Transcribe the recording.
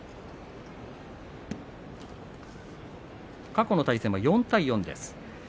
過去の対戦は４対４です。